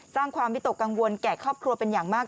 สร้างความวิตกกังวลแก่ครอบครัวเป็นอย่างมาก